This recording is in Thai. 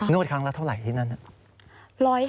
นวดครั้งแล้วเท่าไหร่ที่นั่นน่ะ